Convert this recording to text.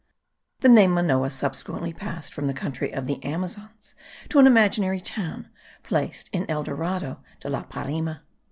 The name of Manoa subsequently passed from the country of the Amazons to an imaginary town, placed in El Dorado de la Parima.